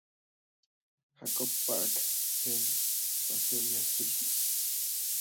Jakob Park de Basilea, Suiza.